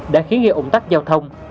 đã khiến ghi ủng tắc giao thông